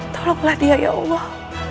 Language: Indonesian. tolonglah dia ya allah